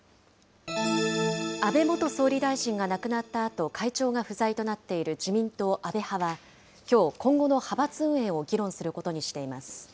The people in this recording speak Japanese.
安倍元総理大臣が亡くなったあと会長が不在となっている自民党安倍派は、きょう、今後の派閥運営を議論することにしています。